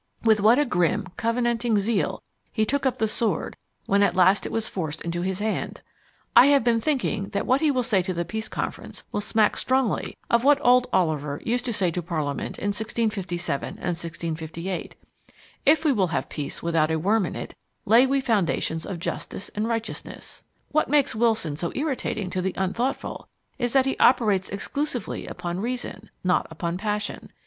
With what a grim, covenanting zeal he took up the sword when at last it was forced into his hand! And I have been thinking that what he will say to the Peace Conference will smack strongly of what old Oliver used to say to Parliament in 1657 and 1658 "If we will have Peace without a worm in it, lay we foundations of Justice and Righteousness." What makes Wilson so irritating to the unthoughtful is that he operates exclusively upon reason, not upon passion.